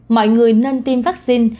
mọi người nên tiêm vaccine